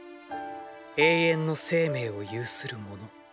永遠の生命を有する者。